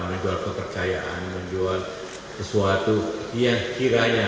menjual kepercayaan menjual sesuatu yang kiranya